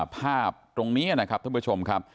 ภาพตรงนี้นะครับท่านผู้ชมครับ